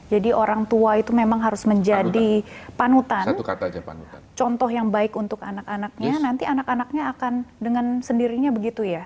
jadi orang tua itu memang harus menjadi panutan satu kata aja panutan contoh yang baik untuk anak anaknya nanti anak anaknya akan dengan sendirinya begitu ya